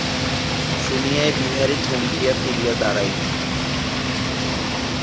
শুনিয়াই বিহারী থমকিয়া ফিরিয়া দাঁড়াইল।